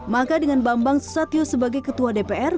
maka dengan bambang susatyo sebagai ketua dpr